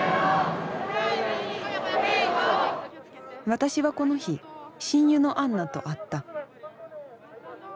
私はこの日親友のアンナと会った。